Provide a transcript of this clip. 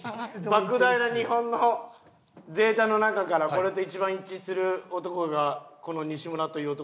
莫大な日本のデータの中からこれと一番一致する男がこの西村という男で間違いないな？